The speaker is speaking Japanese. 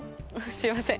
すいません